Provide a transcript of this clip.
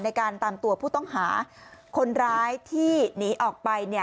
ในการตามตัวผู้ต้องหาคนร้ายที่หนีออกไป